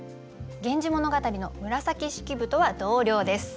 「源氏物語」の紫式部とは同僚です。